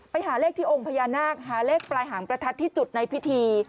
ไปหาเลขที่องค์พญานาคหาเลขปลายหางประทัดที่จุดในพิธี